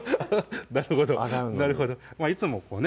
なるほど洗うのにいつもこうね